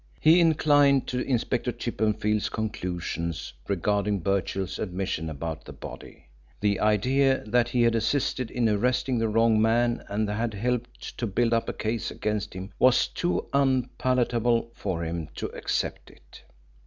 He inclined to Inspector Chippenfield's conclusions regarding Birchill's admission about the body. The idea that he had assisted in arresting the wrong man and had helped to build up a case against him was too unpalatable for him to accept it.